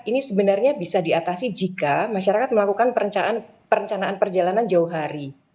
ini sebenarnya bisa diatasi jika masyarakat melakukan perencanaan perjalanan jauh hari